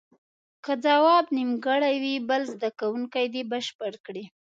که ځواب نیمګړی وي بل زده کوونکی دې بشپړ کړي.